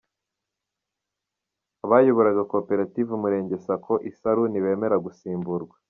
Abayoboraga koperative Umurenge Sako Isaru ntibemera gusimburwa